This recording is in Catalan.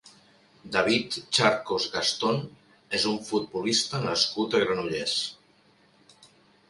David Charcos Gastón és un futbolista nascut a Granollers.